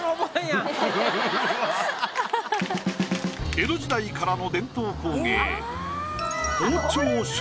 江戸時代からの伝統工芸。